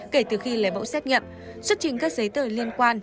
kể từ khi lấy mẫu xét nghiệm xuất trình các giấy tờ liên quan